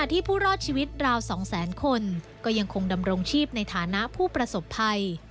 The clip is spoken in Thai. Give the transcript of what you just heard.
ชอบชีวิตราว๒๐๐๐๐๐คนก็ยังคงดำรงชีพในฐานะผู้ประสบภัย